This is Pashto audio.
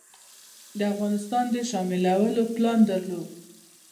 د افغانستان د شاملولو پلان درلود.